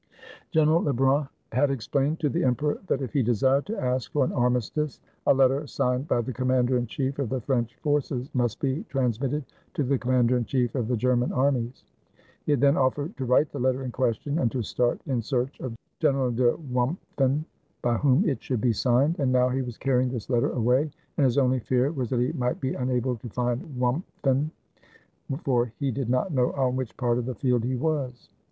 General Lebrun had explained to the emperor that if he desired to ask for an armistice, a letter signed by the commander in chief of the French forces must be trans mitted to the commander in chief of the German armies. He had then offered to write the letter in question and to start in search of General de Wimpffen, by whom it should be signed. And now he was carrying this letter away, and his only fear was that he might be unable to find Wimpffen, for he did not know on what part of the field he was.